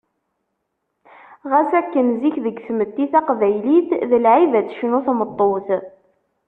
Ɣas akken zik, deg tmetti taqbaylit d lɛib ad tecnu tameṭṭut.